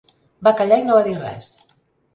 Va callar i no va dir res!